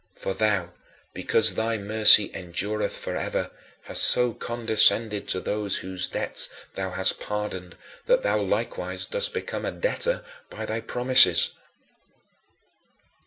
For thou, "because thy mercy endureth forever," hast so condescended to those whose debts thou hast pardoned that thou likewise dost become a debtor by thy promises.